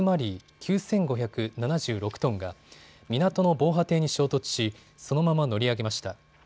９５７６トンが港の防波堤に衝突し、そのまま乗り上げました。